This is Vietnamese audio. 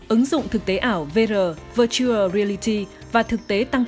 ứng dụng thực tế ảo vr virtual reality và thực tế tăng cấp